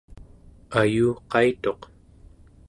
ayuqaituq